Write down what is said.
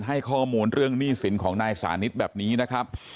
ให้ข้อมูลเรื่องหนี้สินของนายสานิทแบบนี้นะครับ